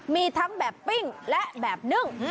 มีทั้งแบบปิ้งและแบบนึ่ง